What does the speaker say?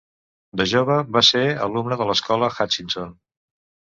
De jove, va ser alumne de l'escola Hutchison.